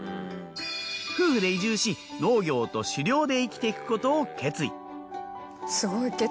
夫婦で移住し農業と狩猟で生きていくことを決意。